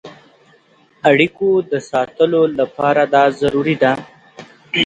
اړیکو د ساتلو لپاره دا ضروري ده.